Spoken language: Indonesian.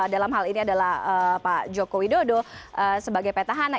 dalam hal ini adalah pak jokowi dodo sebagai petahana